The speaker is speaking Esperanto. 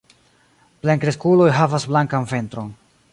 Plenkreskuloj havas blankan ventron.